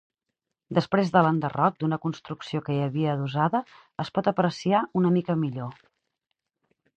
Després de l'enderroc d'una construcció que hi havia adossada, es pot apreciar una mica millor.